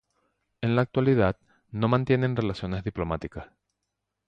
En la actualidad, no mantienen relaciones diplomáticas.